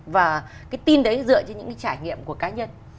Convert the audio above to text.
và cái tin đấy dựa trên những cái trải nghiệm của cá nhân